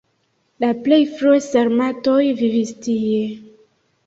La plej frue sarmatoj vivis tie.